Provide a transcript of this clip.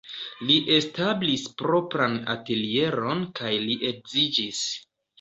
Li establis propran atelieron kaj li edziĝis.